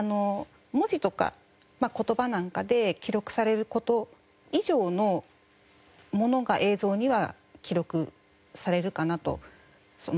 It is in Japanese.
文字とかまあ言葉なんかで記録される事以上のものが映像には記録されるかなと。